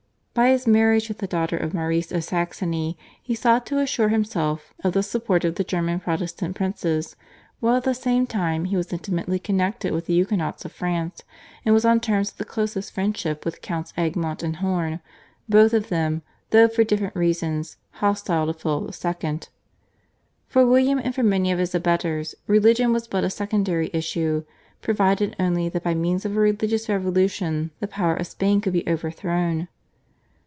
By his marriage with the daughter of Maurice of Saxony he sought to assure himself of the support of the German Protestant princes, while at the same time he was intimately connected with the Huguenots of France, and was on terms of the closest friendship with Counts Egmont and Horn, both of them, though for different reasons, hostile to Philip II. For William and for many of his abettors religion was but a secondary issue, provided only that by means of a religious revolution the power of Spain could be overthrown.